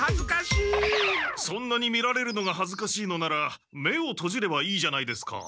そんなに見られるのがはずかしいのなら目をとじればいいじゃないですか。